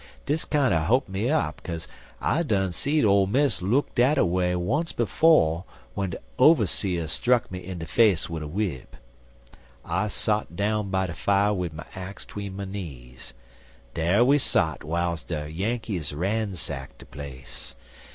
Dis kinder ho'p me up, kaze I done seed Ole Miss look dat away once befo' w'en de overseer struck me in de face wid a w'ip. I sot down by de fier wid my axe tween my knees. Dar we sot w'iles de Yankees ransack de place.